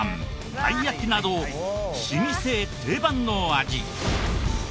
たい焼きなど老舗・定番の味。